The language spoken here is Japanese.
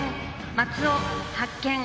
松尾発見。